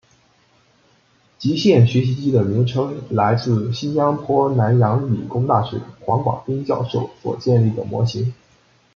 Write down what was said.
极限学习机的名称来自新加坡南洋理工大学黄广斌教授所建立的模型。